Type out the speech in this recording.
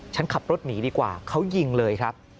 ฉันขับรถหนีดีกว่าเขายิงเลยครับ